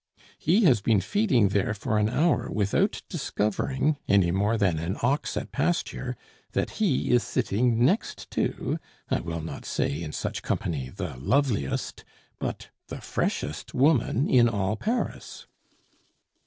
"He has been feeding there for an hour without discovering, any more than an ox at pasture, that he is sitting next to I will not say, in such company, the loveliest but the freshest woman in all Paris."